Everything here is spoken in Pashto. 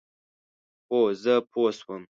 هو، زه پوه شوم،